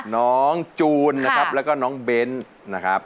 น้องจูนนะครับแล้วก็น้องเบ้นนะครับ